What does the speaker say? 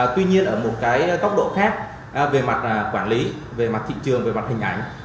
tuy nhiên ở một cái góc độ khác về mặt quản lý về mặt thị trường về mặt hình ảnh